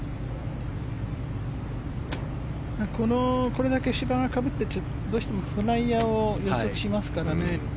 これだけ芝がかぶってるとどうしてもフライヤーを予測しますからね。